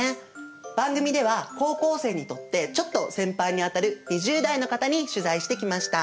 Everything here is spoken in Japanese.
番組では高校生にとってちょっと先輩にあたる２０代の方に取材してきました。